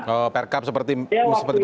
oh perkab seperti perkab ya